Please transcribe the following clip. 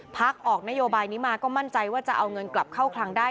พักออกนโยบายนี้มาก็มั่นใจว่าจะเอาเงินกลับเข้าคลังได้